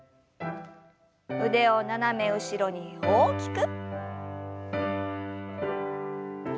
腕を斜め後ろに大きく。